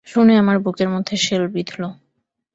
শুনে আমার বুকের মধ্যে শেল বিঁধল।